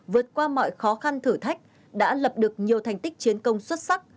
vượt qua mọi khó khăn thử thách đã lập được nhiều thành tích chiến công xuất sắc